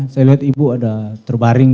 saya lihat ibu ada terbaring